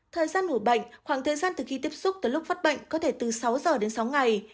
thời gian ủi bệnh khoảng thời gian từ khi tiếp xúc tới lúc phát bệnh có thể từ sáu giờ đến sáu ngày